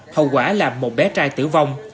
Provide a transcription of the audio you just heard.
hậu quả là một bé trai tử vong